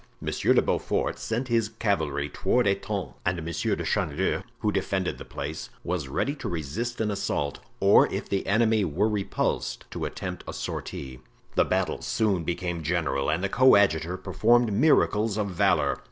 Monsieur de Beaufort sent his cavalry, toward Etampes and Monsieur de Chanleu, who defended the place, was ready to resist an assault, or if the enemy were repulsed, to attempt a sortie. The battle soon became general and the coadjutor performed miracles of valor.